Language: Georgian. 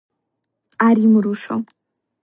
არ იმრუშო.